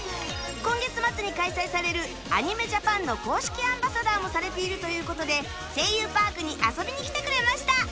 今月末に開催される ＡｎｉｍｅＪａｐａｎ の公式アンバサダーもされているという事で『声優パーク』に遊びに来てくれました